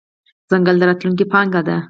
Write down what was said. ځنګل د راتلونکې پانګه ده.